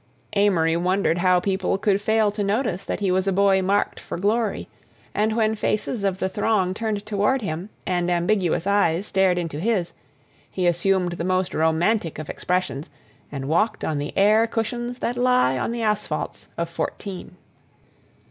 Amory wondered how people could fail to notice that he was a boy marked for glory, and when faces of the throng turned toward him and ambiguous eyes stared into his, he assumed the most romantic of expressions and walked on the air cushions that lie on the asphalts of fourteen.